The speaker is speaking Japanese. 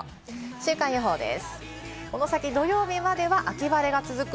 週間予報です。